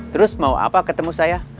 terus mau apa ketemu saya